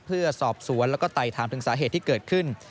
เพื่อสอบสวนแล้วก็ไต่ถามถึงสาเหตุที่เกิดขึ้น